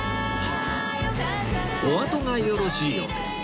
おあとがよろしいようで